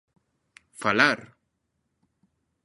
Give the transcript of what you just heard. Falar?